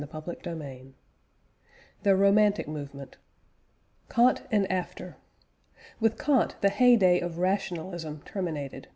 CHAPTER VII THE ROMANTIC MOVEMENT KANT AND AFTER. With Kant the hey day of rationalism terminated.